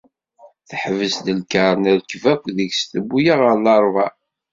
Teḥbes-d lkaṛ. Nerkeb akk deg-s. Tewwi-aɣ ɣer Laṛebɛa.